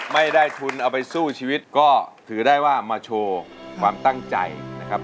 ไม่ได้ทุนเอาไปสู้ชีวิตก็ถือได้ว่ามาโชว์ความตั้งใจนะครับ